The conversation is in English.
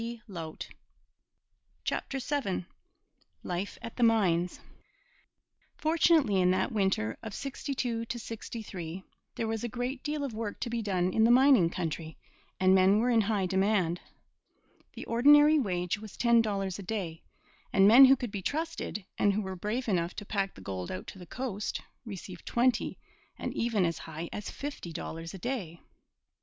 CHAPTER VII LIFE AT THE MINES Fortunately, in that winter of '62 '63, there was a great deal of work to be done in the mining country, and men were in high demand. The ordinary wage was ten dollars a day, and men who could be trusted, and who were brave enough to pack the gold out to the coast, received twenty and even as high as fifty dollars a day.